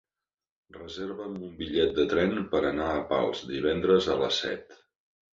Reserva'm un bitllet de tren per anar a Pals divendres a les set.